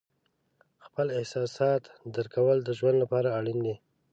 خپل احساسات درک کول د ژوند لپاره اړین دي.